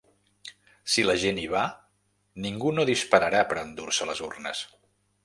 Si la gent hi va, ningú no dispararà per endur-se les urnes.